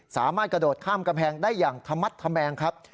สามารถกระโดดข้ามกำแพงได้อย่างธมัดธแมงครับ